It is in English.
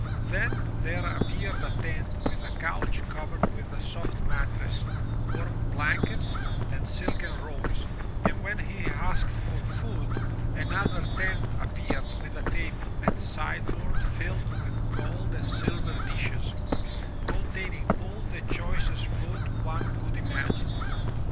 Then there appeared a tent with a couch covered with a soft mattress, warm blankets, and silken robes, and when he asked for food, another tent appeared with a table and sideboard filled with gold and silver dishes, containing all the choicest food one could imagine.